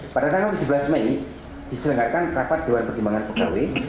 pada tanggal tujuh belas mei diserangkan rapat diwan pertimbangan pkw